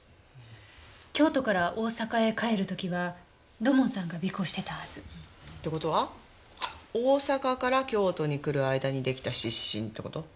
京都から大阪へ帰る時は土門さんが尾行してたはず。ってことは大阪から京都に来る間にできた湿疹ってこと？